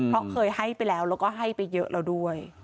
เพราะเคยให้ไปแล้วแล้วก็ให้ไปเยอะแล้วด้วย